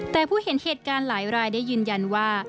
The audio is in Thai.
แต่ผู้เห็นเหตุการณ์หลายรายได้ยืนยันว่า